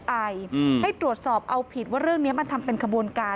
ไอให้ตรวจสอบเอาผิดว่าเรื่องนี้มันทำเป็นขบวนการ